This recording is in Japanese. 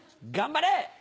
頑張れー。